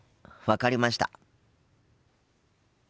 分かりました。